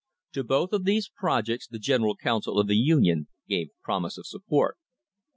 To both of these projects the General Council of the Union gave promise of support.